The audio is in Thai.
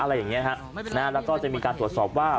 อะไรอย่างนี้ฮะนะฮะแล้วก็จะมีการตรวจสอบว่า